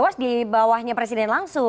masalahnya dewas di bawahnya presiden langsung